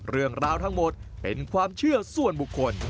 เรื่องราวทั้งหมดเป็นความเชื่อส่วนบุคคล